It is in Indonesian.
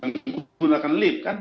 penggunaan lift kan